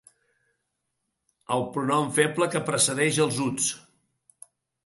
El pronom feble que precedeix els uts.